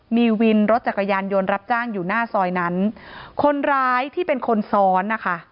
มีวินรถจักรยานยนต์รับจ้างอยู่หน้าซอยนั้นคนร้ายที่เป็นคนซ้อนนะคะ